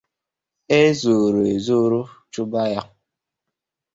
e zoro ezoro chụba ya